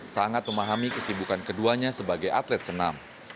sangat memahami kesibukan keduanya sebagai atlet senam